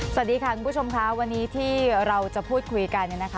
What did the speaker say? สวัสดีครับคุณผู้ชมค่ะวันนี้ที่เราจะพูดคุยกัน